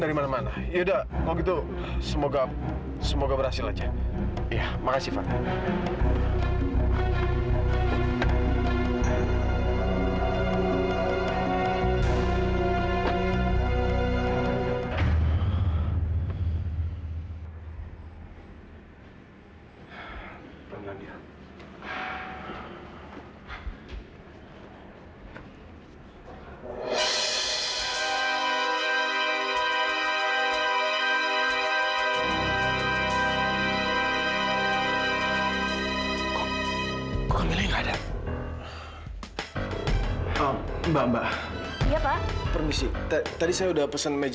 iya terima kasih pak